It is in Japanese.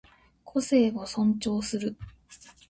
個性を尊重する